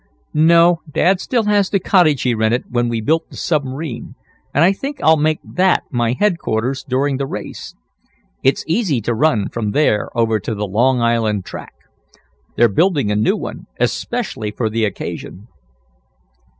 "No, Dad still has the cottage he rented when we built the submarine and I think I'll make that my headquarters during the race. It's easy to run from there over to the Long Island track. They're building a new one, especially for the occasion.